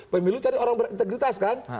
pemilu cari orang berintegritas kan